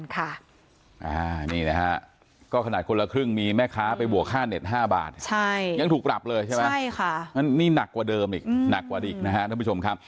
ขอบคุณครับ